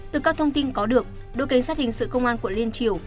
từ các thông tin có được đội cảnh sát hình sự công an quận liên triều